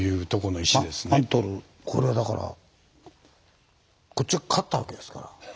これだからこっちが勝ったわけですから。